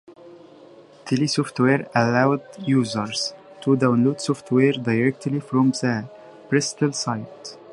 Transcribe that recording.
Telesoftware allowed users to download software directly from the Prestel site.